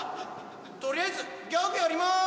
とりあえずギャグやります！